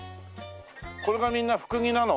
これがみんなフクギなの？